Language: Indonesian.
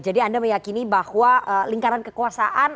jadi anda meyakini bahwa lingkaran kekuasaan